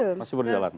betul masih berjalan